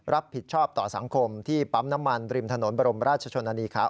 รับผิดชอบต่อสังคมที่ปั๊มน้ำมันริมถนนบรมราชชนนานีขา